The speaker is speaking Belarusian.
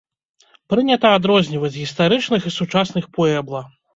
Прынята адрозніваць гістарычных і сучасных пуэбла.